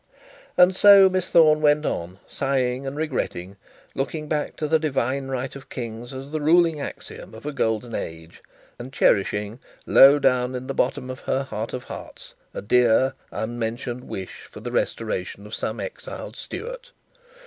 And so Miss Thorne went on sighing and regretting, looking back to the divine right of kings as the ruling axiom of a golden age, and cherishing, low down in the bottom of her hearts of hearts, a dear unmentioned wish for the restoration of some exiled Stuart.